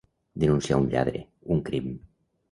Denunciar un lladre, un crim.